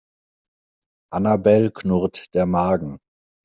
Annabel knurrt der Magen.